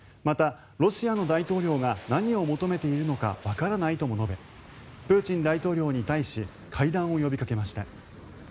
またロシアの大統領が何を求めているのかわからないとも述べプーチン大統領に対し会談を呼びかけました。